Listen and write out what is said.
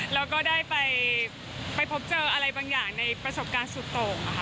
แล้วก็ได้ไปเจออะไรบันอย่างในประสบการณ์สุดโต